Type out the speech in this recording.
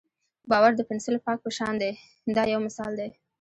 باور د پنسل پاک په شان دی دا یو مثال دی.